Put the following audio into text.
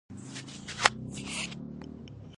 د مینې اور د شاعر په زړه کې بل دی.